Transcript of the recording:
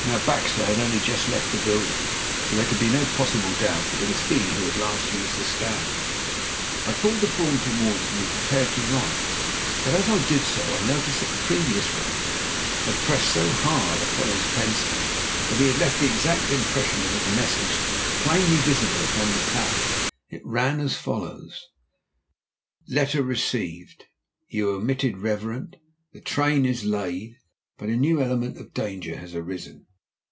Now Baxter had only just left the building, so there could be no possible doubt that it was he who had last used the stand. I pulled the form towards me and prepared to write. But as I did so I noticed that the previous writer had pressed so hard upon his pencil that he had left the exact impression of his message plainly visible upon the pad. It ran as follows: "LETTER RECEIVED. YOU OMMITTED REVEREDN. THE TRAIN IS LAID, BUT A NEW ELEMENT OF DANGER HAS ARISEN."